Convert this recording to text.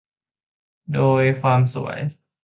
โดยความสวย